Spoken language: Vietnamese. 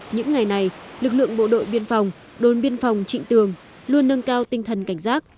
những ngày này lực lượng bộ đội biên phòng đồn biên phòng trịnh tường luôn nâng cao tinh thần cảnh giác